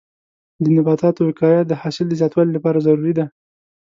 د نباتو وقایه د حاصل د زیاتوالي لپاره ضروري ده.